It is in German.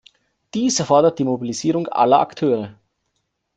Dies erfordert die Mobilisierung aller Akteure.